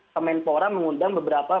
pementora mengundang beberapa